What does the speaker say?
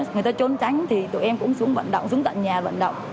người ta trốn tránh thì tụi em cũng xuống vận động xuống tận nhà vận động